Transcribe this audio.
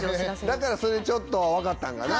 だからそれでちょっと分かったんかな？